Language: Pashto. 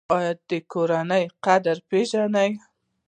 ایا د کورنۍ قدر پیژنئ؟